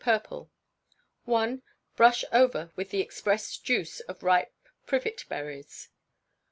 Purple. i. Brush over with the expressed juice of ripe privet berries.